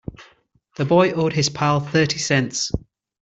The boy owed his pal thirty cents.